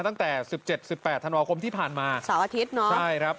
ตั้งแต่สิบเจ็ดสิบแปดธันวาคมที่ผ่านมาเสาร์อาทิตย์เนอะใช่ครับ